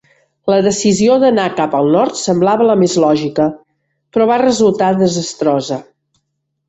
La decisió d'anar cap al nord semblava la més lògica, però va resultar desastrosa.